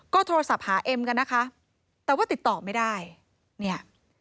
ก็โทรศัพท์หาเอ็มกันนะคะแต่ว่าติดต่อไม่ได้เนี่ย